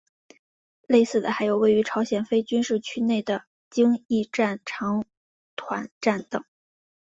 类似的还有位于朝韩非军事区内的京义线长湍站等。